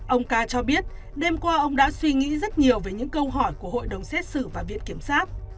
ông ca cho biết đêm qua ông đã suy nghĩ rất nhiều về những câu hỏi của hội đồng xét xử và viện kiểm sát